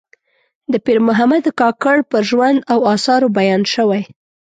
د پیر محمد کاکړ پر ژوند او آثارو بیان شوی.